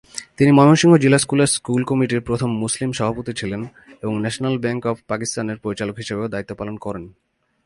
তিনি ময়মনসিংহ জিলা স্কুলের স্কুল কমিটির প্রথম মুসলিম সভাপতি ছিলেন এবং ন্যাশনাল ব্যাংক অব পাকিস্তানের পরিচালক হিসেবেও দায়িত্ব পালন করেন।